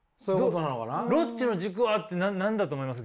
ロッチの軸はって何だと思います？